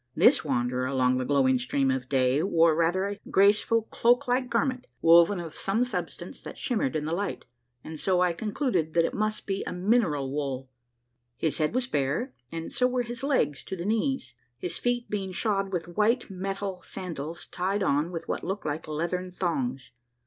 This wanderer along the glowing stream of day wore rather a graceful cloak like garment, woven of some substance that shimmered in the light, and so I concluded that it must be mineral wool. His head was bare, and so were his legs to the knees, his feet being shod with white metal sandals tied on with what looked like leathern thongs.